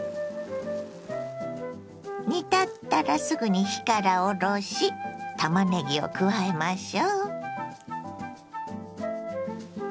煮立ったらすぐに火から下ろしたまねぎを加えましょ。